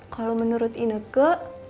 kalau menurut indeke